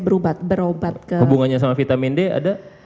berobat berobat hubungannya sama vitamin d ada